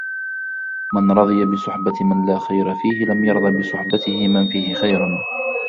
مَنْ رَضِيَ بِصُحْبَةِ مَنْ لَا خَيْرَ فِيهِ لَمْ يَرْضَ بِصُحْبَتِهِ مَنْ فِيهِ خَيْرٌ